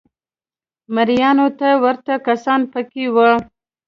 مریانو ته ورته کسان په کې وو